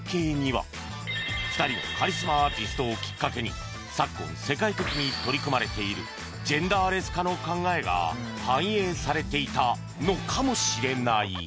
２人のカリスマアーティストをきっかけに昨今世界的に取り組まれているジェンダーレス化の考えが反映されていたのかもしれない